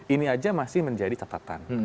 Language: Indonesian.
ini aja masih menjadi catatan